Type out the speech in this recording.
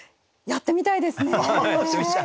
やってみたいです。